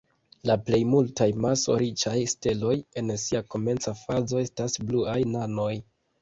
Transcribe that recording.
La plej multaj maso-riĉaj steloj en sia komenca fazo estas bluaj nanoj.